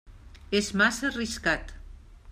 És massa arriscat.